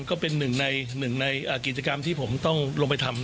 ก็เป็นหนึ่งในหนึ่งในกิจกรรมที่ผมต้องลงไปทำ